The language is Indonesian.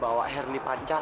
bawa herlih pancal